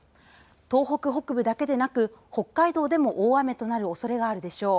東北北部だけでなく、北海道でも大雨となるおそれがあるでしょう。